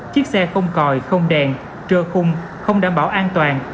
chiếc xe không còi không đèn trơ khung không đảm bảo an toàn